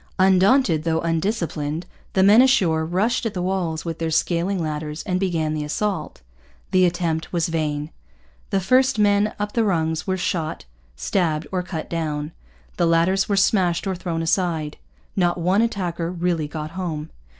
Undaunted though undisciplined, the men ashore rushed at the walls with their scaling ladders and began the assault. The attempt was vain. The first men up the rungs were shot, stabbed, or cut down. The ladders were smashed or thrown aside. Not one attacker really got home.